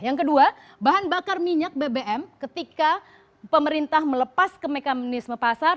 yang kedua bahan bakar minyak bbm ketika pemerintah melepas ke mekanisme pasar